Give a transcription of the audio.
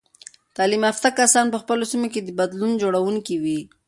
تعلیم یافته کسان په خپلو سیمو کې د بدلون جوړونکي وي.